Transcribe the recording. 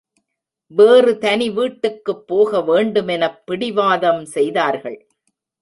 வேறு தனி வீட்டுக்குப் போக வேண்டுமெனப் பிடிவாதம் செய்தார்கள்.